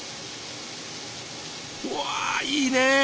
うわいいね！